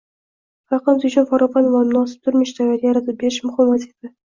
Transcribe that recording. Xalqimiz uchun farovon va munosib turmush sharoiti yaratib berish muhim vazifa